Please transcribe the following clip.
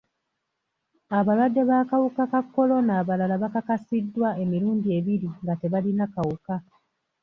Abalwadde b'akawuka ka kolona abalala bakakasiddwa emirundi ebiri nga tebalina kawuka.